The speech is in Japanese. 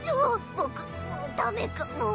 僕もうダメかもぉ。